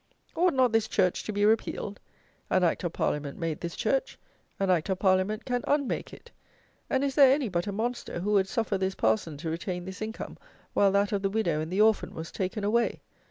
Ought not this church to be repealed? An Act of Parliament made this church; an Act of Parliament can unmake it; and is there any but a monster who would suffer this Parson to retain this income, while that of the widow and the orphan was taken away?